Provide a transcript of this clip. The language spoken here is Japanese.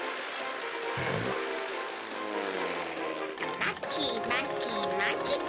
まきまきまきっと。